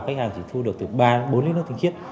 khách hàng chỉ thu được từ ba bốn lít nước tinh khiết